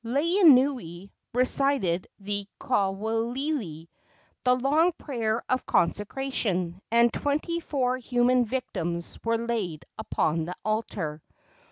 Laeanui recited the kuawili the long prayer of consecration and twenty four human victims were laid upon the altar.